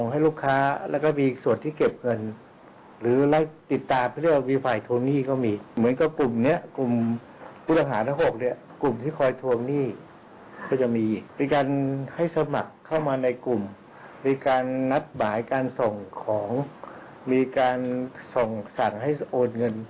หมายการส่งของมีการส่งสั่งให้โอนเงิน